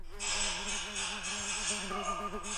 دوی د تاريخ او ملت په اړه بې پروا وو.